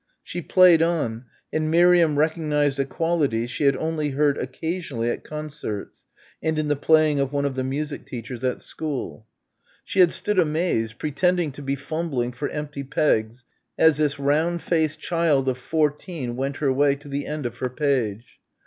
She played on and Miriam recognised a quality she had only heard occasionally at concerts, and in the playing of one of the music teachers at school. She had stood amazed, pretending to be fumbling for empty pegs as this round faced child of fourteen went her way to the end of her page.